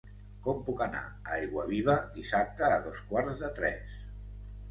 Com puc anar a Aiguaviva dissabte a dos quarts de tres?